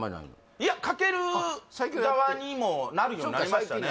いやかける側にもなるようになりましたね